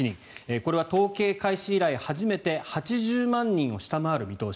これは統計開始以来初めて８０万人を下回る見通し。